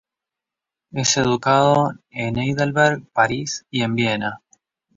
Es educado en Heidelberg, París, y en Viena.